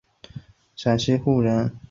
陕西户县人。